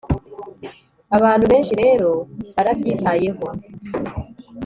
abantu benshi rero barabyitayeho,